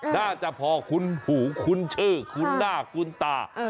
น่าจะพอคุชหูคุณชื่อคุณหน้าคุณตา